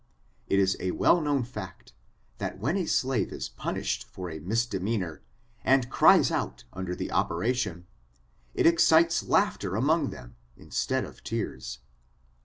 It is a well known fact, that when a slave is punished for a misdemeanor, and cries out under the operation, it excites laughter among them, instead of tears.